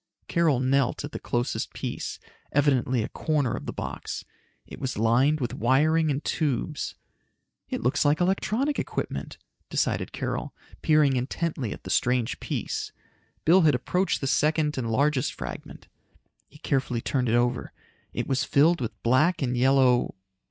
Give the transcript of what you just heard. Carol knelt at the closest piece, evidently a corner of the box. It was lined with wiring and tubes. "It looks like electronic equipment," decided Carol, peering intently at the strange piece. Bill had approached the second and largest fragment. He carefully turned it over. It was filled with black and yellow